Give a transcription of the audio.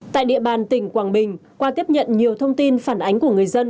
tại địa bàn tỉnh quảng bình qua tiếp nhận nhiều thông tin phản ánh của người dân